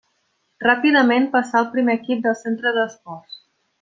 Ràpidament passà al primer equip del Centre d'Esports.